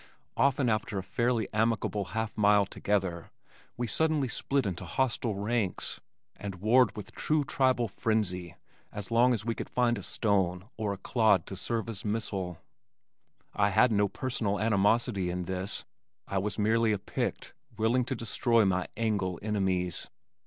Often after a fairly amicable half mile together we suddenly split into hostile ranks, and warred with true tribal frenzy as long as we could find a stone or a clod to serve as missile. I had no personal animosity in this, I was merely a Pict willing to destroy my Angle enemies.